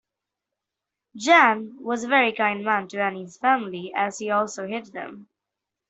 Jan was a very kind man to Anne's family as he also hid them.